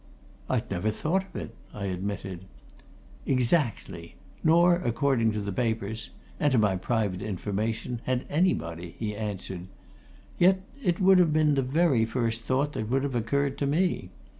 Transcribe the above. "I'd never thought of it," I admitted. "Exactly! Nor, according to the papers and to my private information had anybody," he answered. "Yet it would have been the very first thought that would have occurred to me.